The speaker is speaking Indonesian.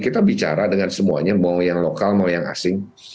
kita bicara dengan semuanya mau yang lokal mau yang asing